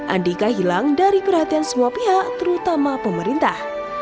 andika hilang dari perhatian semua pihak terutama pemerintah